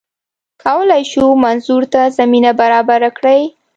کولای شو منظور ته زمینه برابره کړي